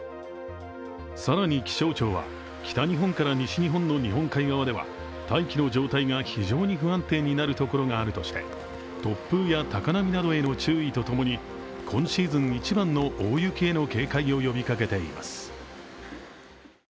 さらに気象庁は、北日本から西日本の日本海側では大気の状態が非常に不安定になる所があるとして突風や高波などへの注意とともに今シーズン一番の大雪への警戒を呼びかけています。